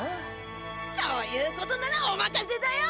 そういうことならおまかせだよ！